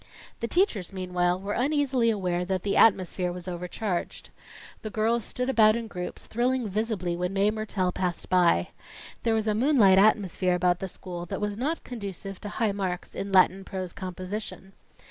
The teachers, meanwhile, were uneasily aware that the atmosphere was overcharged. The girls stood about in groups, thrilling visibly when Mae Mertelle passed by. There was a moonlight atmosphere about the school that was not conducive to high marks in Latin prose composition.